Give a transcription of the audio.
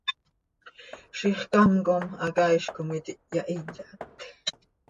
Zixcám com hacaaiz com iti hyahiyat.